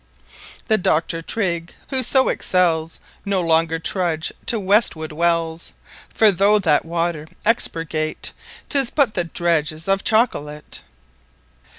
Let Doctor Trigg (who so Excells) No longer Trudge to Westwood Wells: For though that water Expurgate, 'Tis but the Dreggs of Chocolate.